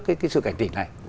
cái sự cảnh tỉnh này